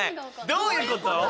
どういうこと？